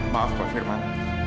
maaf pak firman